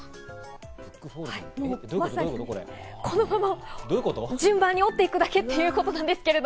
まさに、このまま順番に折っていくだけということなんですけど。